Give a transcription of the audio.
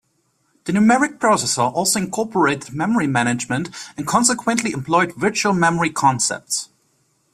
The numeric processor also incorporated memory management and consequently employed virtual memory concepts.